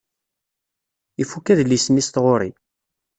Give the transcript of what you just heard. Ifuk adlis-nni s tɣuri.